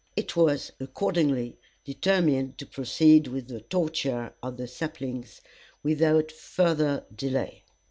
It was, accordingly, determined to proceed with the torture of the saplings without further delay.